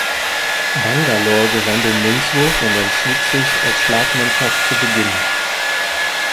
Bangalore gewann den Münzwurf und entschied sich als Schlagmannschaft zu beginnen.